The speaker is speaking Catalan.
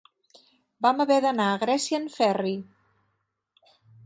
Vam haver d'anar a Grècia en ferri.